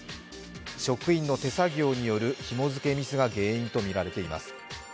職員の手作業によるひも付けミスが原因とみられています。